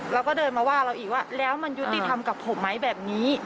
แล้วก็เดินมาว่าเราอีกว่าแล้วมันยุติธรรมกับผมไหมแบบนี้